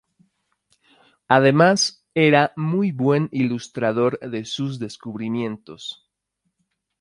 Además era muy buen ilustrador de sus descubrimientos.